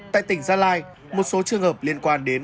tại tỉnh gia lai một số trường hợp liên quan đến